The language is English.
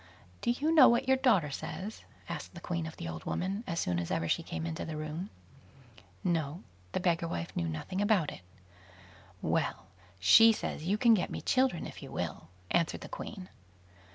"Do you know what your daughter says?" asked the Queen of the old woman, as soon as ever she came into the room. No; the beggar wife knew nothing about it. "Well, she says you can get me children if you will", answered the Queen.